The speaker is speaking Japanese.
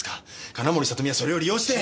金森里美はそれを利用して。